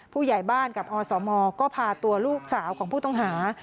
ผู้ใหญ่บ้านกับอสมก็พาตัวลูกสาวของผู้ต้องหา